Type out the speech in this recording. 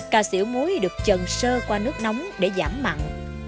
cà xỉu muối được trần sơ qua nước nóng để giảm mặn